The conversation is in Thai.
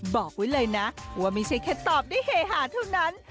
บอกไว้เลยนะว่าไม่ใช่แค่ตอบได้เฮฮาเท่านั้น